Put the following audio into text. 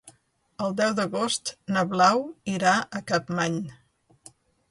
El deu d'agost na Blau irà a Capmany.